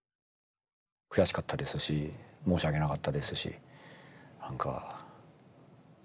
悔しかったですし申し訳なかったですし何か。